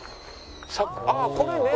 あっこれね。